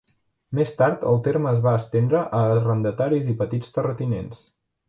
Més tard el terme es va estendre a arrendataris i petits terratinents.